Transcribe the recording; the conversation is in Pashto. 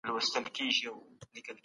د خپل زړګي په وينو خـپـله كړله